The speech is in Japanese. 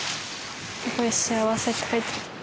「すごい幸せ」って書いてる。